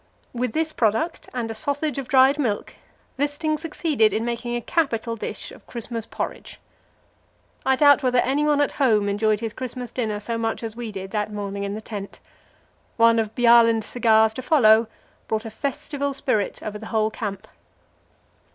With this product and a sausage of dried milk, Wisting succeeded in making a capital dish of Christmas porridge. I doubt whether anyone at home enjoyed his Christmas dinner so much as we did that morning in the tent. One of Bjaaland's cigars to follow brought a festival spirit over the whole camp.